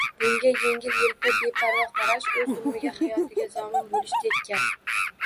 Bunga yengil-elpi, beparvo qarash, o‘z umriga, hayotiga zomin bo‘lishdek gap